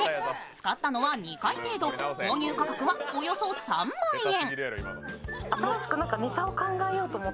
使ったのは２回程度購入価格はおよそ３万円。